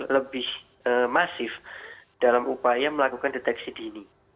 lebih masif dalam upaya melakukan deteksi dini